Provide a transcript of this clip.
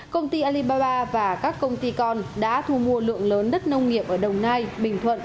công ty alibaba và các công ty con đã thu mua lượng lớn đất nông nghiệp ở đồng nai bình thuận